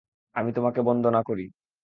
আমি তোমাকে বন্দনা করি।